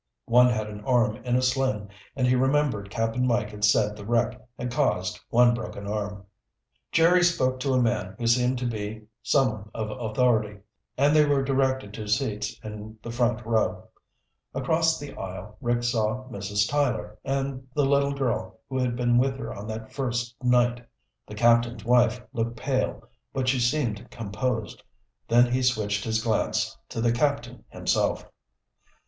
One had an arm in a sling and he remembered Cap'n Mike had said the wreck had caused one broken arm. Jerry spoke to a man who seemed to be someone of authority, and they were directed to seats in the front row. Across the aisle Rick saw Mrs. Tyler and the little girl who had been with her on that first night. The captain's wife looked pale, but she seemed composed. Then he switched his glance to the captain himself.